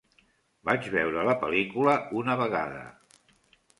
Vaig veure la pel·lícula una vegada.